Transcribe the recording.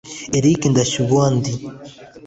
Eric Ndushabandi